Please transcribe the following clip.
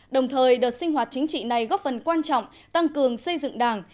đồng thời đợt sinh hoạt chính trị này góp phần quan trọng tăng cường xây dựng đảng